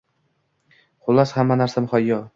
Xullas, hamma narsa muhayyo